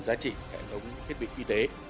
giá trị hệ thống thiết bị y tế